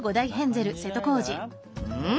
うん？